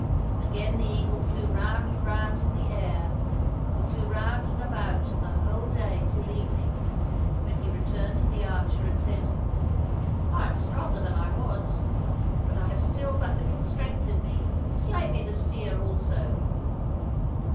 Again the eagle flew round and round in the air. He flew round and about the whole day till evening, when he returned to the archer and said, " I am stronger than I was, but I have still but little strength in me, slay me the steer also